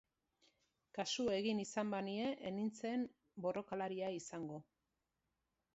Kasu egin izan banie ez nintzen borrokalaria izango...